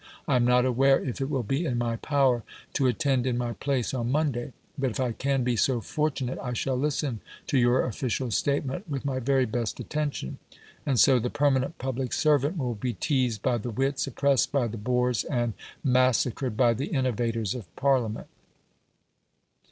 I am not aware if it will be in my power to attend in my place on Monday; but if I can be so fortunate, I shall listen to your official statement with my very best attention." And so the permanent public servant will be teased by the wits, oppressed by the bores, and massacred by the innovators of Parliament.